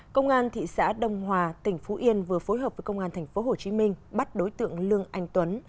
công an thị xã đông hòa tỉnh phú yên vừa phối hợp với công an tp hcm bắt đối tượng lương anh tuấn